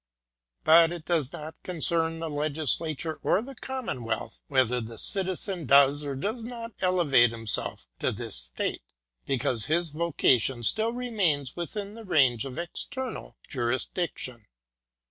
But it does not concern the legislature or the commonwealth whether the Citizen does or does not elevate himself to this state, because his OF ACADEMICAL FREEDOM. 181 vocation still remains within the range of external jurisdic tion.